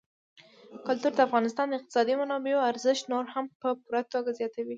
کلتور د افغانستان د اقتصادي منابعو ارزښت نور هم په پوره توګه زیاتوي.